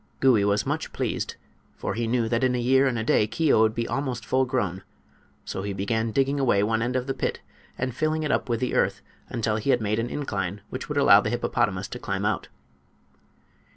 Gouie was much pleased, for he knew that in a year and a day Keo would be almost full grown. So he began digging away one end of the pit and filling it up with the earth until he had made an incline which would allow the hippopotamus to climb out.